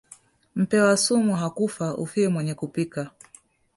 Mpewa sumu hakufa ufie mwenye kupika